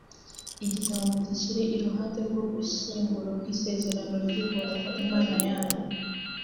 igitabo mugishyire iruhande rw’ubushyinguro bw’isezerano ry’uhoraho imana yanyu;